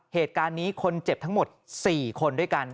เหตุการณ์นี้คนเจ็บทั้งหมด๔คนด้วยกัน